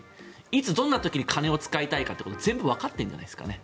いつ、どんな時に金を使いたいかっていうことを全部わかってるんじゃないですかね。